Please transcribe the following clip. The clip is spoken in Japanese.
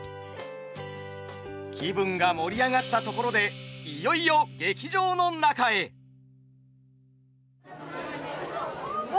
気分が盛り上がったところでいよいようわ。